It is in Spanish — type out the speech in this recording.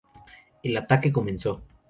El ataque comenzó.